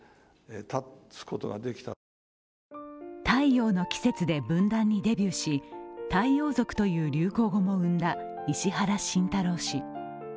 「太陽の季節」で文壇にデビューし「太陽族」という流行語も生んだ石原慎太郎氏。